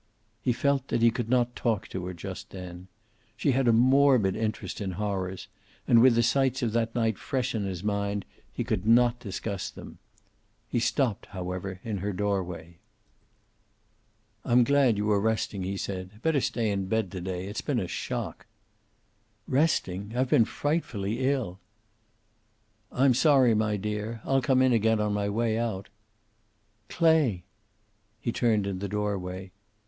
He felt that he could not talk to her just then. She had a morbid interest in horrors, and with the sights of that night fresh in his mind he could not discuss them. He stopped, however, in her doorway. "I'm glad you are resting," he said, "Better stay in bed to day. It's been a shock." "Resting! I've been frightfully ill." "I'm sorry, my dear. I'll come in again on my way out." "Clay!" He turned in the doorway.